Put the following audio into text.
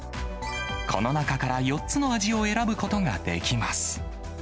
この中から４つの味を選ぶことができます。